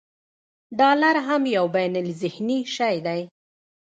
ډالر هم یو بینالذهني شی دی.